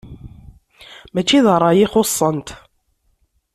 Mačči d ṛṛay i xuṣṣent.